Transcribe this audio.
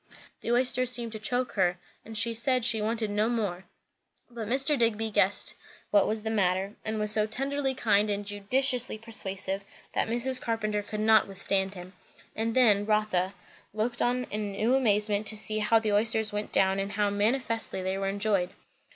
The oysters seemed to choke her; and she said she wanted no more. But Mr. Digby guessed what was the matter; and was so tenderly kind and judiciously persuasive, that Mrs. Carpenter could not withstand him; and then, Rotha looked on in new amazement to see how the oysters went down and how manifestly they were enjoyed.